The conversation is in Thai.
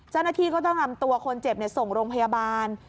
เจ้าหน้าที่ก็ต้องนำตัวคนเจ็บส่งโรงพยาบาล